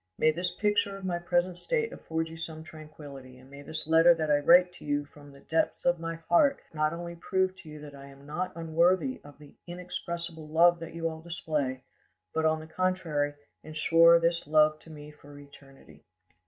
May this picture of my present state afford you some tranquillity, and may this letter that I write to you from the depths of my heart not only prove to you that I am not unworthy of the inexpressible love that you all display, but, on the contrary, ensure this love to me for eternity.